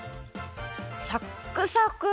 サックサク！